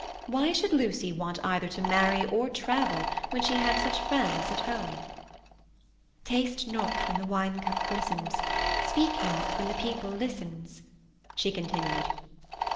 Why should Lucy want either to marry or to travel when she had such friends at home? "Taste not when the wine cup glistens, Speak not when the people listens," she continued.